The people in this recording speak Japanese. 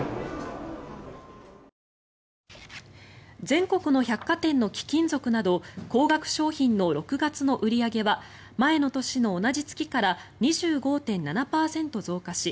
全国の百貨店の貴金属など高額商品の６月の売り上げは前の年の同じ月から２５．７％増加し